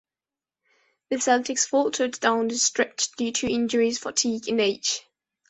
The Celtics faltered down the stretch due to injuries, fatigue and age.